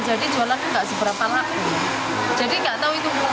jadi jualan aja